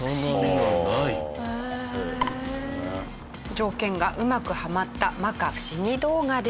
条件がうまくはまった摩訶不思議動画でした。